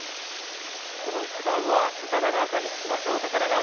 この一番は高田川さんに聞きましょう。